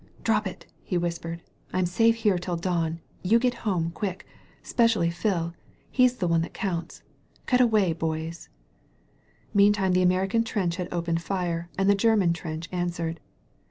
"Drop it," he whispered. "I*m safe here till dawn — ^you get home, quick ! Specially Phil. He's the one that counts. Cut away, boys V* Meantime the American trench had opened fire and the German trench answered.